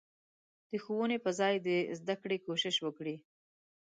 د ښوونې په ځای د زدکړې کوشش وکړي.